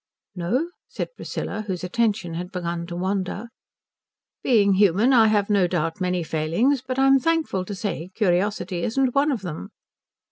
"No?" said Priscilla, whose attention had begun to wander. "Being human I have no doubt many failings, but I'm thankful to say curiosity isn't one of them."